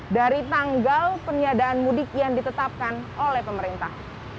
dari tanggal peniadaan mudik yang ditetapkan oleh pemerintah